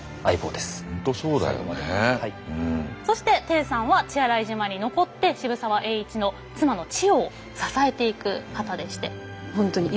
そしてていさんは血洗島に残って渋沢栄一の妻の千代を支えていく方でして。